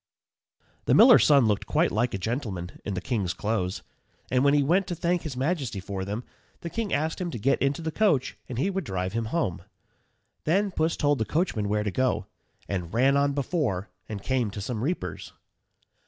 _ The miller's son looked quite like a gentleman in the king's clothes, and when he went to thank his majesty for them, the king asked him to get into the coach and he would drive him home. Then Puss told the coachman where to go, and ran on before and came to some reapers.